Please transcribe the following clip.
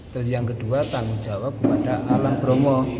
dan yang kedua tanggung jawab kepada alam bromo